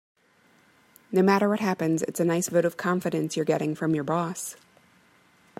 No matter what happens, it's a nice vote of confidence you're getting from your boss.